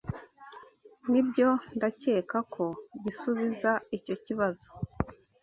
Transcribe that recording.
Nibyo, ndakeka ko gisubiza icyo kibazo.